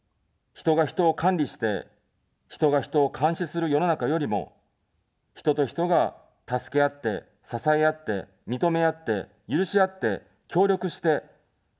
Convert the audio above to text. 人が人を管理して、人が人を監視する世の中よりも、人と人が助け合って、支え合って、認め合って、許し合って、協力して、共存共栄していく。